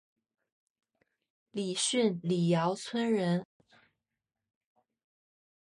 李迅李姚村人。